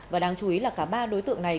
và đáng chú ý là cả ba đối tượng này